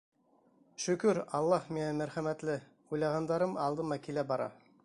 Шөкөр, Аллаһ миңә мәрхәмәтле, уйлағандарым алдыма килә бара.